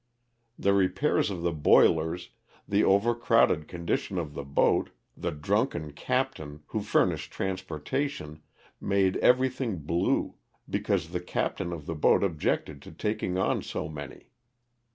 The repairs of the boilers, the overcrowded condi tion of the boat, the drunken captain, who furnished transportation — made everything blue — because the captain of the boat objected to taking on so many.